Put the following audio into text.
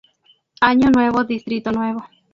Año Nuevo Distrito Nuevo.